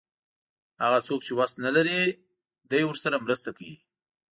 هغه څوک چې وس نه لري دی ورسره مرسته کوي.